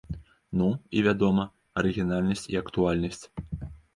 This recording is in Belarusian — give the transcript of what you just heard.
Ну, і вядома, арыгінальнасць і актуальнасць.